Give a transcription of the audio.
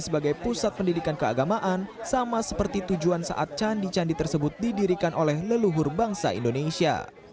sebagai pusat pendidikan keagamaan sama seperti tujuan saat candi candi tersebut didirikan oleh leluhur bangsa indonesia